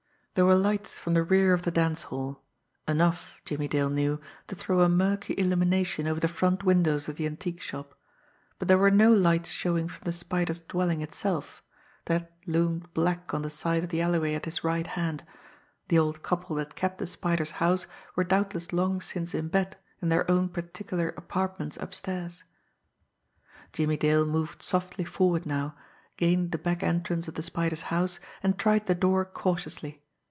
There were lights from the rear of the dance hall, enough, Jimmie Dale knew, to throw a murky illumination over the front windows of the antique shop; but there were no lights showing from the Spider's dwelling itself, that loomed black on the side of the alleyway at his right hand the old couple that kept the Spider's house were doubtless long since in bed in their own particular apartments upstairs. Jimmie Dale moved softly forward now, gained the back entrance of the Spider's house, and tried the door cautiously.